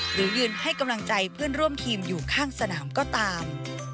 หรือยืนให้กำลังใจเพื่อนร่วมทีมอยู่ข้างสนามก็ตาม